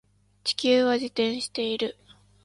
地球は自転している